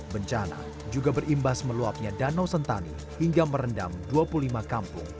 bencana juga berimbas meluapnya danau sentani hingga merendam dua puluh lima kampung